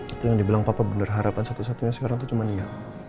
itu yang dibilang papa benar harapan satu satunya sekarang cuma nia